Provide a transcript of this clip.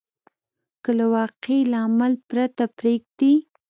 که له واقعي لامل پرته پرېږدي.